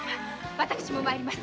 私も参ります。